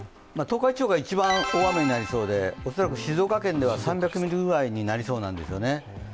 東海地方が一番大雨になりそうで、恐らく静岡県では３００ミリくらいになりそうなんですよね。